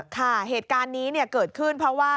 ค่ะเหตุการณ์นี้เกิดขึ้นเพราะว่า